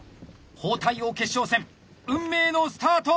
包帯王決勝戦運命のスタート！